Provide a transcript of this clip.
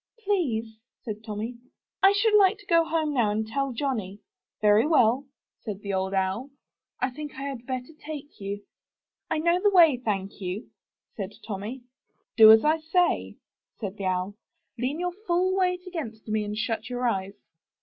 *Tlease/' said Tommy, '*I should like to go home now and tell Johnny/' "Very well," said the Old Owl, '^I think I had better take you." I know the way, thank you," said Tommy. '*Do as I say," said the Owl. ''Lean your full weight against me and shut your eyes."